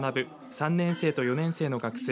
３年生と４年生の学生